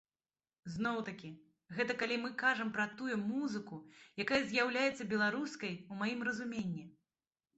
Зноў-такі, гэта калі мы кажам пра тую музыку, якая з'яўляецца беларускай у маім разуменні.